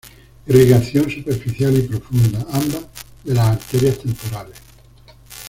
Irrigación superficial y profunda, ambas de las arterias temporales.